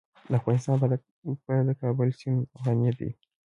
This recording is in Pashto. افغانستان په د کابل سیند غني دی.